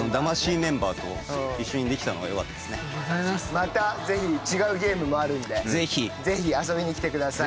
またぜひ違うゲームもあるんでぜひ遊びに来てください。